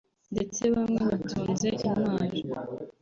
ndetse bamwe batunze intwaro